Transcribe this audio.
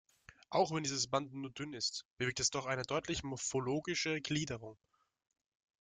Auch wenn dieses Band nur dünn ist, bewirkt es doch eine deutliche morphologische Gliederung.